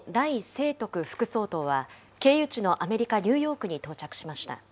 清徳副総統は、経由地のアメリカ・ニューヨークに到着しました。